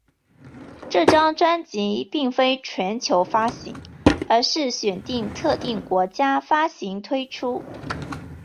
这张专辑并非全球发行而是选定特定国家发行推出。